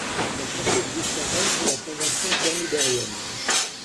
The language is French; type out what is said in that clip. La pratique disparaît sous la Convention thermidorienne.